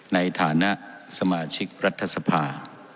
ในฐานะสมาชิกรัฐสภา